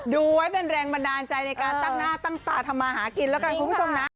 ดูไว้เป็นแรงบันดาลใจในการตั้งหน้าตั้งตาทำมาหากินแล้วกันคุณผู้ชมนะ